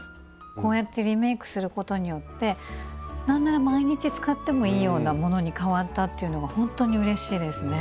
こうやってリメイクすることによって何なら毎日使ってもいいようなものに変わったっていうのがほんとにうれしいですね。